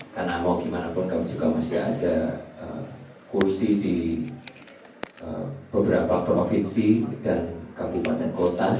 karena mau gimana pun kami juga masih ada kursi di beberapa provinsi dan kabupaten kota